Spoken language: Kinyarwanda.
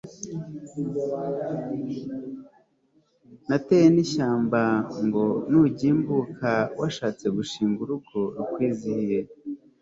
nateye n'ishyamba ngo nugimbuka washatse gushing urugo rukwizihiye